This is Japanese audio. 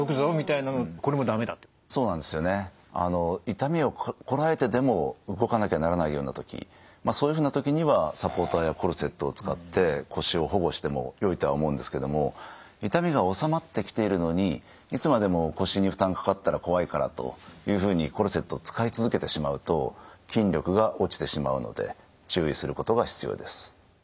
痛みをこらえてでも動かなきゃならないような時そういうふうな時にはサポーターやコルセットを使って腰を保護してもよいとは思うんですけども痛みが治まってきているのにいつまでも腰に負担かかったら怖いからというふうにコルセットを使い続けてしまうと筋力が落ちてしまうので注意することが必要です。